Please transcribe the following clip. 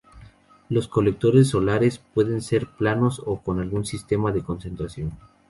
Los colectores solares pueden ser planos o con algún sistema de concentración.